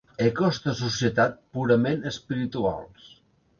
Ecos de societat purament espirituals.